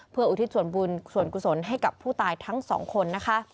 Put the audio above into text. เพื่ออุทิศส่วนกุศลให้กับผู้ตายทั้งสองคน